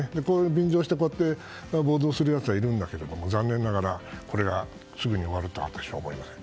便乗して暴動するやつがいるんだけれども残念ながらこれがすぐに終わると私は思えません。